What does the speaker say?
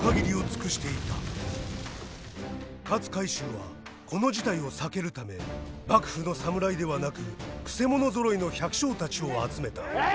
勝海舟はこの事態を避けるため幕府の侍ではなくくせ者ぞろいの百姓たちを集めた。